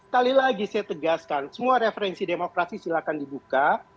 kali lagi saya tegaskan semua referensi demokrasi silahkan dibuka